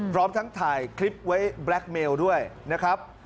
พร้อมทั้งถ่ายคลิปไว้แบล็คเมลด้วยนะครับ